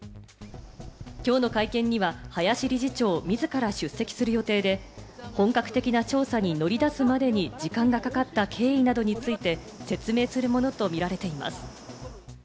きょうの会見には林理事長、自ら出席する予定で、本格的な調査に乗り出すまでに時間がかかった経緯などについて説明するものとみられています。